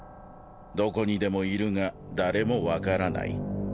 どこにでもいるが誰も分からない